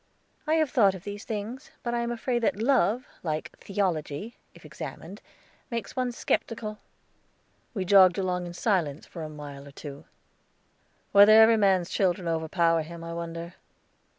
"I have thought of these things; but I am afraid that Love, like Theology, if examined, makes one skeptical." We jogged along in silence for a mile or two. "Whether every man's children overpower him, I wonder?